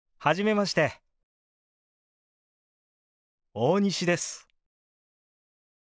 大西です。